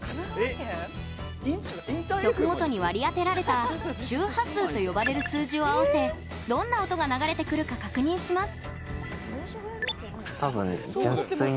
局ごとに割り当てられた周波数と呼ばれる数字を合わせどんな音が流れてくるか確認します。